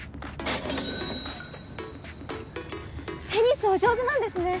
テニスお上手なんですね。